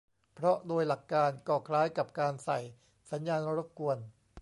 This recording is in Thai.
เพราะโดยหลักการ ก็คล้ายกับการใส่สัญญาณรบกวน